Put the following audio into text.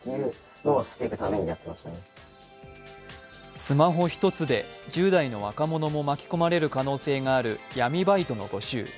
スマホ１つで１０代の若者も巻き込まれる可能性がある闇バイトの募集。